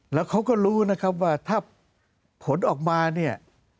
แล้วเขาก็รู้นะครับว่าถ้าผลออกมาเนี่ย